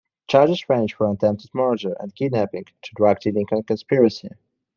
Charges range from attempted murder and kidnapping to drug dealing and conspiracy.